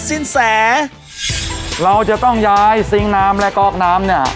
สินแสเราจะต้องย้ายซิงค์น้ำและก๊อกน้ำเนี่ย